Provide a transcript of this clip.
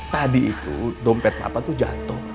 tadi itu dompet bapak tuh jatuh